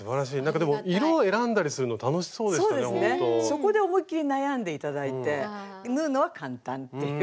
そこで思いっきり悩んで頂いて縫うのは簡単っていう。